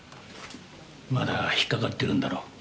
まだ引っかかってるんだろ？